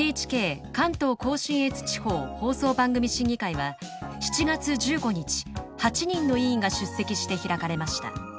第６９２回のＮＨＫ関東甲信越地方放送番組審議会は７月１５日８人の委員が出席して開かれました。